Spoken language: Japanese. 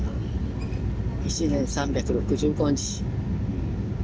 一年３６５日。